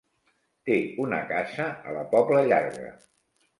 Té una casa a la Pobla Llarga.